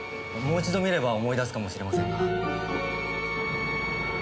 もう一度見れば思い出すかもしれませんが。